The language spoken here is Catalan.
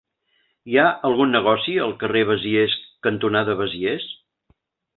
Hi ha algun negoci al carrer Besiers cantonada Besiers?